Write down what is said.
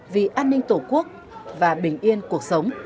vì an ninh tổ quốc và bình yên cuộc sống